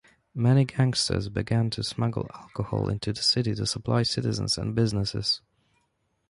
Many gangsters began to smuggle alcohol into the city to supply citizens and businesses.